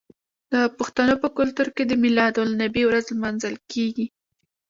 د پښتنو په کلتور کې د میلاد النبي ورځ لمانځل کیږي.